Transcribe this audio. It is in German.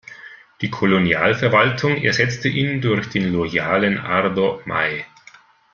Die Kolonialverwaltung ersetzte ihn durch den loyalen Ardo Mai.